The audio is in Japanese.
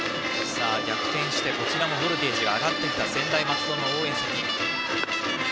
逆転しボルテージが上がってきた専大松戸の応援席。